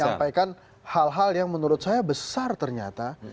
menyampaikan hal hal yang menurut saya besar ternyata